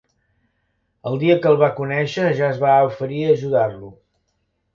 El dia que el va conèixer ja es va oferir a ajudar-lo.